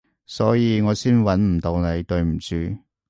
所以我先搵唔到你，對唔住